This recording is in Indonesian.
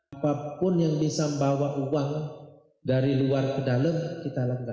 apapun yang bisa membawa uang dari luar ke dalam kita langgar